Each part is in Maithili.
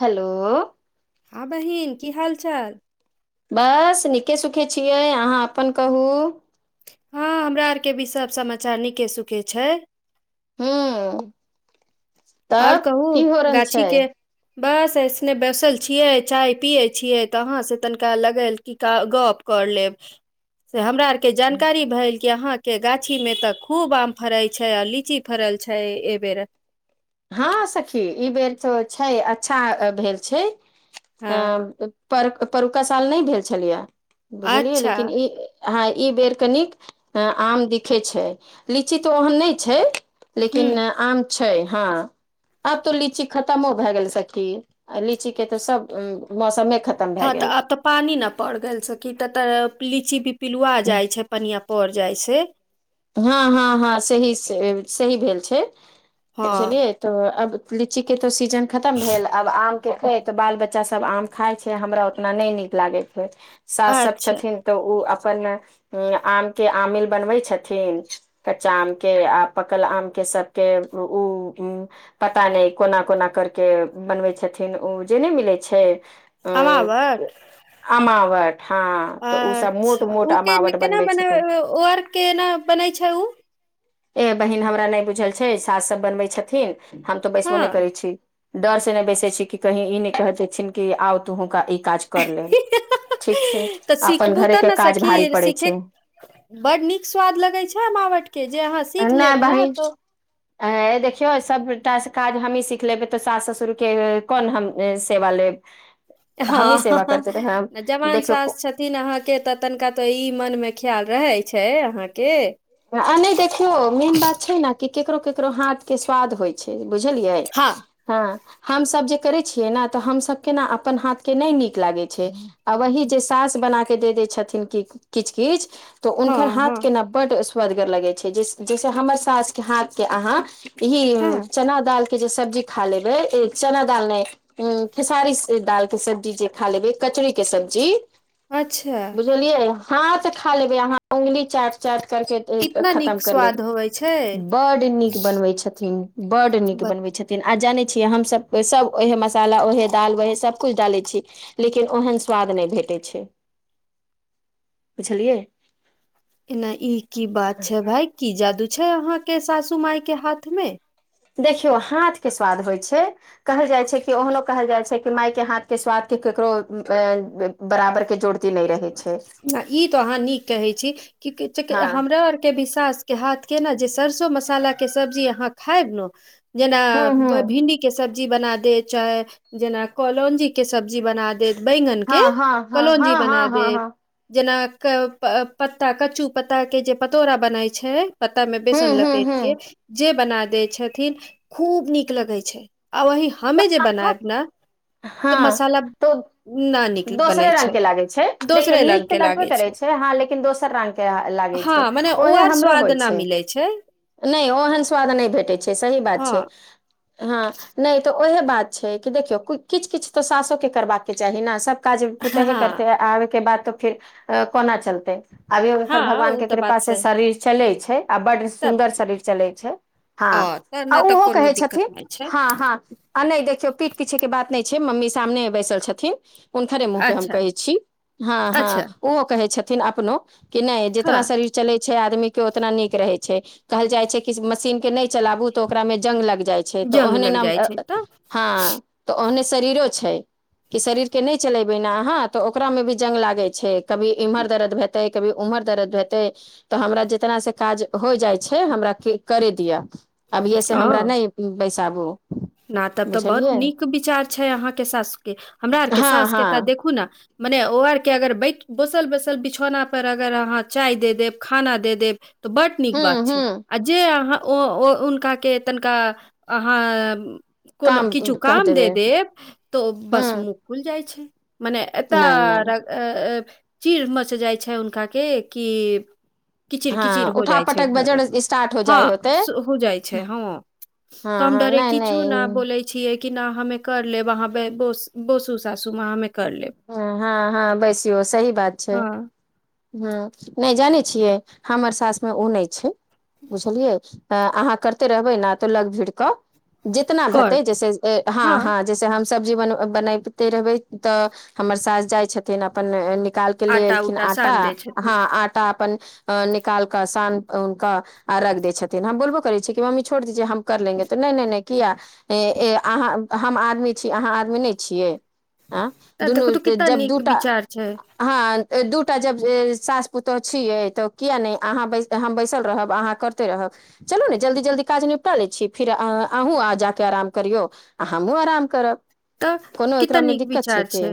हेलो हँ बहिन की हाल चाल बस नीके सुखे छियै अहा अपन कहू हँ हमरा आरके भी सभ समाचार नीके सुखे छै हू [inaudible] आओर तब कहू की हो रहल छै गाछीके बस ऐसने बैसल छियै चाय पियै छियै तऽ अहाँ से तनिका लगल कऽ गप कर लेब से हमरा आर के जानकारी भलि कि यहा के गाछी में तऽ खूब आम फरै छै आ लीची फरल छै एहि बेेर हँ सखी ई बेर तऽ छै अच्छा भेल छै अ हँ पर परका साल नहि भेल छलियै बुझलियै अच्छा लेकिन ई हाॅं ई बेर कनिक आम दिखे छै लीची तऽ ओहन नहि छै हूँ लेकिन आम छै हँ आब तो लीची खतमो भए गेल सखी आ लीची के तऽ सब मौसमे ख हँ तऽ आब तऽ पानी ने पड़ गेल छै कि ते ते लीची भी पिलवा जाइ छै बनिआ पड़ि जाइ छै। हँ हँ हँ सही सही भेल छै हँ बुझलियै तऽ अब लीची के त सीजन खतम भेल आब आम के ऐ तऽ बाल बच्च बच्चा सब आम खाय छै हमरा ओतना नहि नीक लागे छै सास सब अच्छा छथिन तऽ ओ अपन आम के आमिल बनबै छथि छथिन कच्चा आम के आ पकल आम के सबके उ पता नहि कोना कोना करके बनबै छथिन ओ जे नहि मिलै छै अ आमाबट अमावट हँ तऽ ओसभ मोट अच्छा मोट ओ के न- अमावट केना बनबै छथिन बनाबै ओ आर केना बनै छै उ ए बहिन हमरा नहि बुझल छै सास सब बनबै छथिन हम तो बैसबो नहि हँ करै छी डर से नहि बैसे छी कि कही ई नहि कहै छीन कि आउ तुहु का ई काज कर ले ठीक छै तऽ आपन सिखबू घरे तऽ के ने काज सखी भारी पड़े सीखे छै बड नीक स्वाद लगै छै अमावट के सीख नहि लेब ने बहिन तऽ हां देखियौ सबटा काज हमही सीख लेबै तऽ सास ससुरके कोन हम सेवा लेब [inaudible] हँ हमही सेवा करते रहब [unintelligible] जबान देखियौ सास छेथि तीन अहाँ के तऽ तनिका तऽ ई मन मे ख्याल रहै छै अहाँके आ नहि देखियौ मेन बात छै न कि केकरो केकरो हाथ के स्वाद होइत छै बुझलियै? हँ हँ हमसभ जे करै छियै ने तऽ हमसभ के ने अपन हाथ के नहि नीक लागै छै आ वही जे सास बना कऽ दे दै छथिन कि किछ किछ तऽ हँ हुनकर हँ हाथ केना बड्ड स्वदगर लगे छै जैसे हमर सास के हाथ के अहाँ इही हँ चना दाल के जे सब्जी खा लेबे चना दाल नै उ खेसारी दाल के सब्जी जे खा लेबै कचरी के सब्जी अच्छा बुझलियै हाथ खा लेबै अहाँ उगली चाट चाट करके इतना नीक खतम कर स्वाद लेले होवे छै बड नीक बनवे छथिन बड नीक बत बनबे छथिन आ जानै छियै हमसभ सभ उहे मसाला उएहे दाल व ओएहे सभकुछ डालै छी लेकिन ओहन स्वाद नहि भेटैत छै [inaudible] बुझलियै एना ई की बात छै भाय कि जादू छै अहा के सासू माय के हाथ मे देखियौ हाथ के स्वाद होइ छै कहल जाइ छै कि ओहनो कहल जाइ छै कि माय केँ हाथ केँ स्वाद के ककरो बराबर के जोड़ ई तो अहाँ नीक कहै छी हँ हमरा आरके भी सास के हाथ के ने जे सरसो मसाला के सब्जी अहाँ खायब ने जेना हूँ हूँ भिंडी के सब्जी बना दे चाहे जेना कोलोंजी के सब्जी बना दे बैंगन के हँ हँ हँ हँ कलोंजी हँ बना हँ देत हँ जेना [unintelligible] पत्ता कच्चू पत्ता के जे पतोरा बनाय छै पत्ता मे हूँ बेसन हूँ लपेट हूँ केँ जे बना दै छथिन खूब नीक लगै छै आ वही तऽ हमे जे अहाँ बनायब न तो हँ मसाला न निक बनै छै लागे छै देखिय दोसरे रंग नीक तऽ के लगबे लागे करै छै हँ लेकिन दोसर रंग के लागै हँ छै मने ओ ओहे आर हमरो स्वाद होइ न मिलै छै छै नहि ओहन स्वाद नहि भेटै छै सही बात हँ छै हँ नहि तऽ ओहे बात छै कि देखियौ किछ किछ तऽ सासो के करबाक के चाही ने सब काज हँ पुतेह करते आबे के बाद तो फिर कोना चलतै अभी हँ हुनकर भगवान ओ के तऽ कृपा बात से सही शरीर चले छै आ बड्ड तब सुन्दर की? शरीर चलै छै हँ ओ तऽ आ नहि तऽ ओहो कोनो कहे दिक्कत छथिन नहि छै ह ह आ नहि देखिय पीठ पीछेके बात नहि छै मम्मी सामने बैसल छथिन हुनकरे मुँह पे हम अच्छा कहै छी हँ हँ अच्छा ओहो कहै छथिन अपनो कि नहि हँ जैतना शरीर चलै छै आदमी केँ ओतना नीक रहैत छै कहल जाइ छै कि मशीनके नहि चलाबू तऽ ओकरामे जंग लाग जाइत छै तऽ जंग ओहने लग जाइ न छै तऽ हँ त ओहने शरीरो छै इ शरीरकेँ नहि चलेबै ने अहाँ तऽ ओकरामे भी जंग लागैत छै कभी इम्हर दर्द हेतै कभी उमर दर्द हेतै तऽ हमरा जितना से काज हो जाइ छै हमरा करे दिअ अभिये से हमरा ओ नहि बैसाबू ना तब तऽ बहुत बुझलियै नीक विचार छै अहाँके सास के हमरा आरके हँ सास के तऽ हँ देखू ने मने ओ आर के अगर बैठ बोसल बसल बिछौना पर अगर अहाँ चाय दे देब खाना दे देब तऽ बड नीक हू बात हू छै आ जे अहाँ ओ उनका के तनिका अहाँ कोनो काम किछु कह काम दे देबै देब तऽ हू बस मु फुल जाइ छै मने नहि नहि एतय चीर मच जाइ छै हुनका के कि किचिर हँ किचिर हो उठा जाइ छै पटक घर बजट स्टार्ट हो जाइ होते हँ हो जाइ छै हँ हँ तहम हँ डरे नहि किछु ना नहि बोली छियै कि नहि हमे कर लेब अहाँ बसु सासु मां हँ हँ बैसियौ सही बात छै हँ ह नहि जानै छियै हमर सासमा ओ नहि छै बुझलियै अहाँ करते रहबै ने तऽ लग भीड़ कऽ जितना कर हेतै जैसे हँ हँ जैसे हम सब्जी बन बनबिते रहबै तऽ हमर सास जाय छथिन अपन निकाल केँ ले आटा एलखिन उटा आटा सान दै छथिन हँ आ अपन अ निकाल कऽ शान उनक आ रख द छथिन हम बोलबो कर छियै मम्म छोड़ दीजे हम कर लेंगे तऽ नहि नहि किया अहाँ हम आदमी छी अहाँ आदमी नहि छियै आ तऽ देखू दुनू तऽ कितना जब नीक दूटा विचार छै हँ दूटा जब सास पुतहुह छियै तऽ किएक नहि अहाँ हम बैसल रहब अहाँ करिते रहब चलू ने जल्दी जल्दी काज निपटा लै छी फिर अहूँ आजाकऽ आराम करियौ आ हमहुँ आराम करब तऽ कोनो कतिऽ एकरामे नीक दिक्कत विचार की छै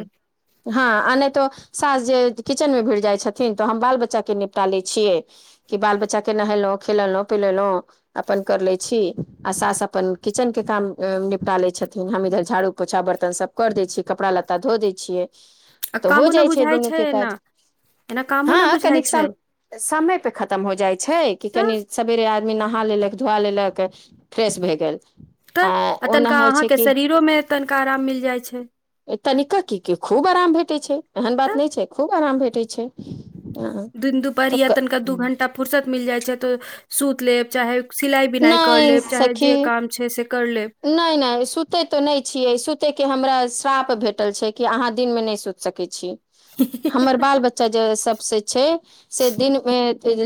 हँ आ न तो सास जे किचनमे भिड़ जाइ छथिन तऽ हम बाल बच्चा के निपटा लै छियै कि बाल बच्चा के नहेलहुँ खेलेलहुँ पिलेलहुँ अपन कर लै छी आ सास अपन किचन के काम निपटा लै छथिन हम इधर झाड़ू पोछा बर्तन सभ कर दै छियै कपड़ा लत्ता धो दै छियै आ तऽ हो कामो न जाइ छै बुझाइ दुनू के एना काज एना कामो न हँ कनी बुझाइ छै सम समय पे खतम हो जाइ छै कि कनि तऽ सेबेरे आ आदमी नहा लेलक धुआ लेलक फ्रेश भए गेल तऽ आ ओना तनिका होइ छै अहाँके कि शरीरोमे तनिका आराम मिल जाइ छै तनिका की के खूब आराम भेटै छै एहन बात तऽ नहि छै खूब आराम भेटैत छै अ, दिन तऽ दुपहरया क- तनिका दू घंटा फुरसत मिल जाइ छै तऽ सुत लेब चाहे सिलाइ बिनाइ कर नहि लेब चाहे सखी जे काम छै से कर लेब नहि नहि सुते ते नहि छीये सुते के हमरा श्राप भेटल छै कि अहाँ दिन मे न सुत सकै छी ह हमर बाल बच्चा जे सब से छै से दिन मे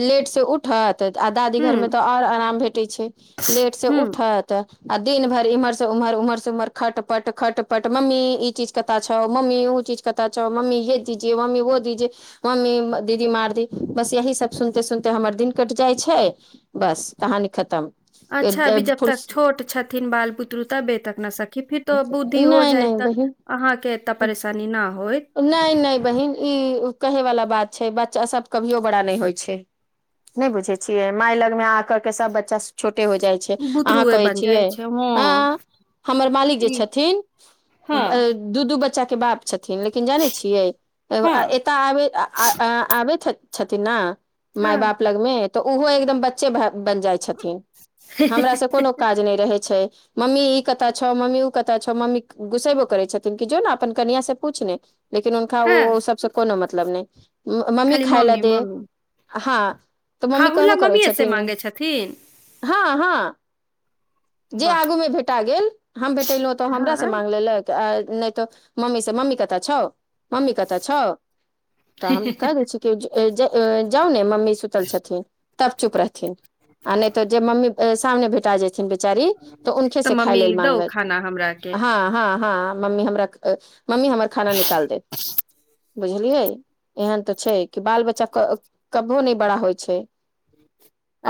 लेट से उठ उठत आ दादी घर मे हूँ तऽ और आराम भेटै छै लेट से हूँ उठत आ दिन भरि इम्हर से उमहर उमहर उ्हर खट पट खट पट मम्मी ई चीज कत्तऽ छौ मम्मी उ चीज कत चौ मम्मी ये जी [unintelligible] ज मम्मी वो दीजे मम्मी दीदी मारदी बस यही सब सुनते सुनते हमर दिन कटि जाइ छै बस कहानी खतम अच्छा अभी जब तक नहि छोट छथिन बाल बुतरु तबे तक न स खी फितो बुद्धि हो जाय नहि तऽ बहिन अहाँके एते परेशानी न होइत नहि नहि बहिन ई कहे वला बात छै बच्चा सब कभियो बड़ा नहि होइ छै नहि बुझे छीये माय लग मे आ कर के सब बच्चा छोटे हो जाइ लियै अहाँ बुतरुए कहै बन जाय छियै छै हँ हमर मालिक जे ई छथिन हँ दू दू बच्चा के बाप छथिन लेकिन जनै छियै हँ एतय आबै आबैत छथिन ने माय हँ बाप लगमे तऽ ओहो एकदम बच्चे बनि जाइ छथिन हमरा से कोनो काज नहि रहे छै मम्मी ई कथा छौ मम्मी उ कत छौ मम्मी गुसेबो करै छथिन कि जो ने अपन कनिया से पूछने लेकिन हुनका हँ ओ सबसँ कोनो मतलब नहि मम्मी खाली खाय लए दे मम्मी हँ तऽ मम्मी खाहु कहवो ला करै मम्मीए से छथिन मांगे छथिन हँ हँ जे वाह आगू मे भेटा गेल हम त हमरा से हँ माग लेलक नै त मम्मी से मम्मी क तऽ छौ मम्मी क तऽ छौ तऽ हम क दै छी जाउ ने मम्मी सुतल छथिन तब चुप रहथिन आ नहि तो जे मम्मी सामने भेटा बेचारी तऽ उनके से खाय लेल मांगलक हमराके ह ह ह मम्मी हमरा मम्मी हमर खाना निकाल दे बुझलियै एहन तऽ छै कि बाल बच्चा कभ कभो नहि बड़ा होइ छै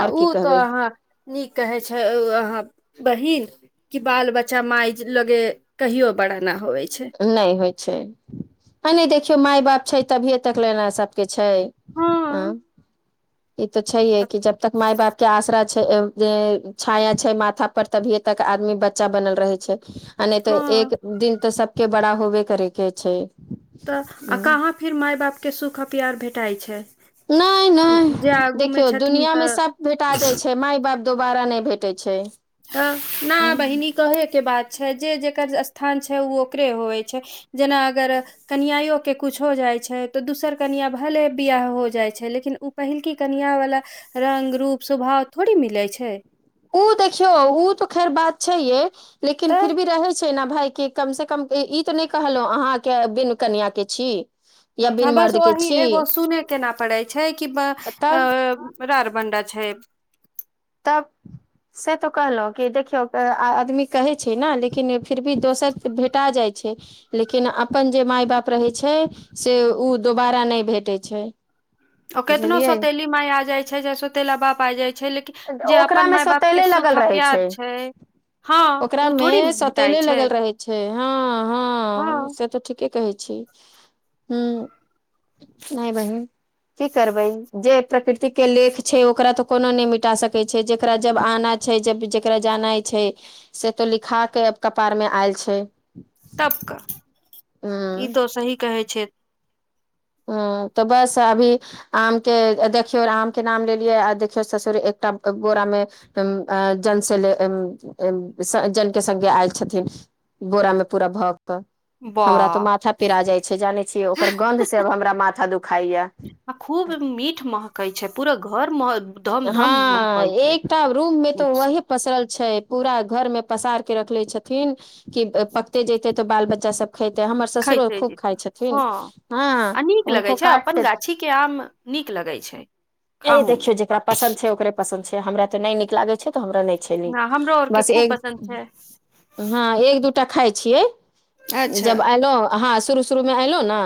आ ओ की तऽ कहबै अहाँ नीक कहै छै अहाँ बहिन कि बाल बच्चा माय लगे कहियो बड़ा ना होय छै नहि होइ छै आ नहि देखियौ माय बाप छै तभियए तक लेना सब छै हँ ई त छै जब तक माय बाप के आशरा छाया छै माथा पर तभिय तक आदमी बच्चा बनल रहे छै आ नहि तऽ हँ एक दिन तऽ सबके बड़ा होबे करे के छै तऽ आ हूँ। कहाँ फिर माय बापके सुख पियार भेटाइ छै नहि जे नहि आगू मे देखियौ छथिन दुनिया में तऽ सब भेटा जाय छै छै माय बाप दोबारा नहि भेटै छै तब न हूँ। बहिनी कहैके बात छै जे जकर स्थान छै ओ ओकरे होइ छै जेना अगर कनआइओे किछो हो जाइत छै तऽ दोसर कनिआँ भले बियाह हो जाइत छै लेकिन ओ पहिलकी कनीया वला रंग रूप स्वभाव थोड़े मिलै छै उ देखियौ उ तऽ खैर बात छै हे लेकिन फिर तऽ भी रहे छैना भाय के कम से कम ई तऽ नहि कहलहुं अहाँके बनु कनया के छी या हां बिन बस मर्द के ओही एगो छी सुने के ना पड़ै छै कि ब अ तब रारबंडा छै तब से तो कहलहुं कि देखियौ आदमी कहै छै ने लेकिन फिर भी दोसर भेटा जाइ छै लेकिन अपन जे माय बाप रहै छै से ओ दोबारा नहि भेटै छै ओ केतनो बुझलियै सौतेली माय आ जाइ छै चाहे सौतेला बाप आ जाइ छै लेकिन तऽ जे अपन ओकरामे माय बाप के सौतेले सुख आ लागल रहै प्यार छै हँ ओकरा ओ मे थोड़ी भेटाइ सौतेले छै लगल रहे छै हँ हँ से तऽ ठीके कहै छी ह नहि बहिन की करबै जे प्रकृति के लेख छै ओकरा तो कोनो ने मि टा सकै छै जकरा जब आना छै जब जकरा जाना छै से तो लिखा केब कपार मे आयल छै तबका ह ई तो सही कहै छै ह तऽ बस अभी आम के देखियौ आम के नाम लेलियै आ देखियौ ससुर एकटा बोरा मे जन से जन [unintelligible] के सज्जल के संग आयल छथिन बोरा मे पूरा भग कऽ हमरा तऽ वाह माथा पिरा जाइ छै जानै छियै ओकर गन्ध से हमरा माथा दुखाइया आ खूब मीठ महकई छै पूरा घर मे हँ एकटा रूम में तो मीठ से वहि पसरल छै पूरा घर मे पसार के रखले छथिन कि पकते जेते तो बाल बच्चा सब खेते हमर ससुरो खैते खूब खाय जेतै छथिन हँ हँ आ नीक लगै हुनको छै अपन काटिक गाछी के आम नीक लगे छै ए खाहू मे देखियो जेकरा पसन्द छै ओकरे पसन्द छै हमरा ते न नीक लागे छै तऽ हमरा नहि छै ह हमरो आर के बस खूब एक पसन्द छै हँ एक दूटा खाय छियै अच्छा जब एलहु हँ शुरू शुरू मे ऐलहु ने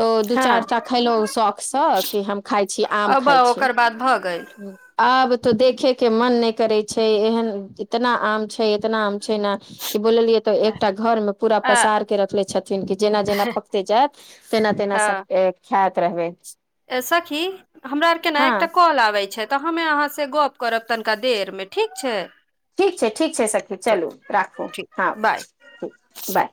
तऽ दू हँ चार टा खलहु शौखसँ कि हम खाय छी आम अब खाइ छी ओकर बाद भऽ गेल आब तो देखे के मन नहि करे छै एहन इतना आम छै इतना आम छै ने कि बोललियै तऽ एकटा घरमे पूरा आ पसार के रखले छथिन कि जेना जेना पकते जायत तेना तेना सब हँ ख्यत रहबे सखी हमरा आर के ने एकटा कॉल आबे छै तऽ हमे अहाँ से गप करब तनिका देर मे ठीक छै ठीक छै ठीक छै सखी चलू राखू ठीक हँ बाय ठीक बाय